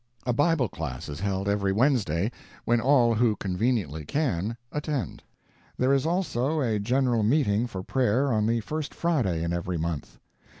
A Bible class is held every Wednesday, when all who conveniently can, attend. There is also a general meeting for prayer on the first Friday in every month.